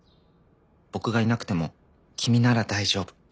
僕がいなくても君なら大丈夫。